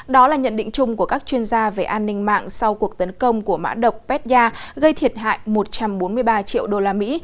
đó là nhận định chung của các chuyên gia về an ninh mạng sau cuộc tấn công của mã độc peta gây thiệt hại một trăm bốn mươi ba triệu đô la mỹ